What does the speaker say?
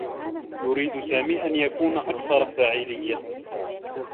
يريد سامي أن يكون أكثر فعاليّة.